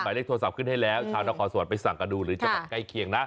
ใบเล็กโทรศัพท์ขึ้นให้แล้วชาวนครสวรรค์ไปสั่งกระดูกหรือจะสั่งใกล้เคียงนะ